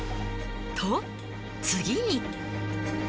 と次に。